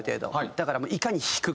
だからもういかに引くか。